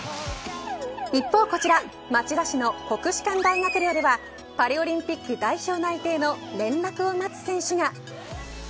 一方、こちら町田市の国士舘大学寮ではパリオリンピック代表内定の連絡を待つ選手が。